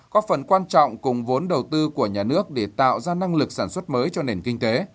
có phần quan trọng cùng vốn đầu tư của nhà nước để tạo ra năng lực sản xuất mới cho nền kinh tế